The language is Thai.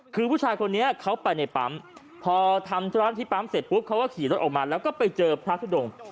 คือผู้ชายคนนี้เขาไปในปั๊มพอทำธุระที่ปั๊มเสร็จปุ๊บเขาก็ขี่รถออกมาแล้วก็ไปเจอพระทุดง